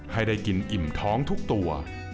ให้ได้กินอิ่มท้องทุกตัว